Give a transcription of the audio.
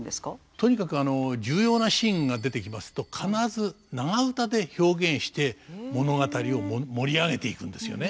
とにかく重要なシーンが出てきますと必ず長唄で表現して物語を盛り上げていくんですよね。